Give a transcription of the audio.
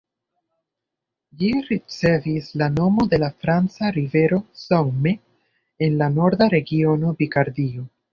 Ĝi ricevis la nomo de la franca rivero Somme, en la Norda regiono Pikardio.